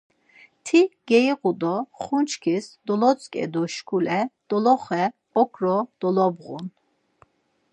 Ti geiğu do ğunçkis dolitzǩedu şkule doloxe okro dolobğun.